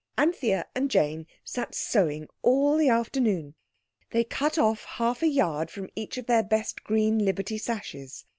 Anthea and Jane sat sewing all the afternoon. They cut off half a yard from each of their best green Liberty sashes.